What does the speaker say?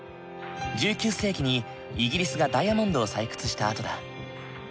１９世紀にイギリスがダイヤモンドを採掘した跡だ。